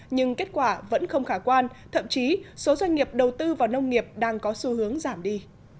nhưng kết quả vẫn không khả quan thậm chí số doanh nghiệp đầu tư vào nông nghiệp đang có xu hướng giảm đi